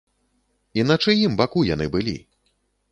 І на чыім баку яны былі?